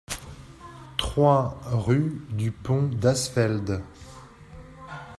trois rue du Pont d'Asfeld